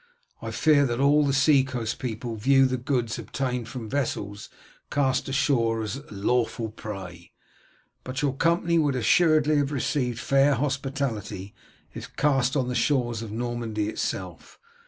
I fear that all the seacoast people view the goods obtained from vessels cast ashore as a lawful prey, but your company would assuredly have received fair hospitality if cast on the shores of Normandy itself.